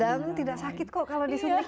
dan tidak sakit kok kalau disuntiknya nayini